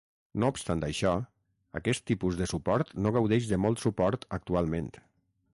No obstant això, aquest tipus de suport no gaudeix de molt suport actualment.